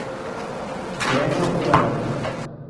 Berner Oberland".